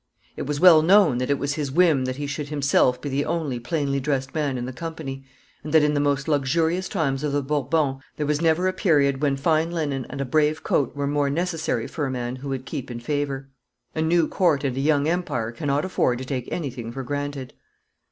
It was well known that it was his whim that he should himself be the only plainly dressed man in the company, and that in the most luxurious times of the Bourbons there was never a period when fine linen and a brave coat were more necessary for a man who would keep in favour. A new court and a young empire cannot afford to take anything for granted.